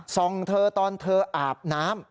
ส่งเธอตอนเธออาบน้ำ